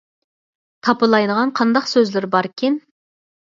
تاپىلايدىغان قانداق سۆزلىرى باركىن؟